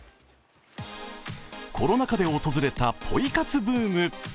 コロナ禍で訪れたポイ活ブーム。